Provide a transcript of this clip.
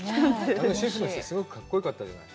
あのシェフの人、すごく格好よかったじゃない。